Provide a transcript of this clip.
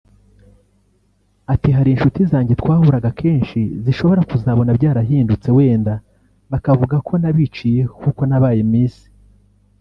Ati “Hari inshuti zanjye twahuraga kenshi zishobora kuzabona byarahindutse wenda bakavuga ko nabiciyeho kuko nabaye Miss